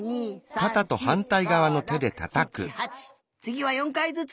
つぎは４かいずつ！